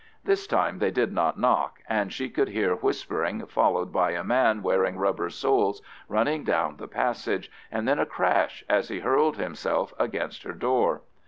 This time they did not knock, and she could hear whispering, followed by a man wearing rubber soles running down the passage, and then a crash as he hurled himself against her door.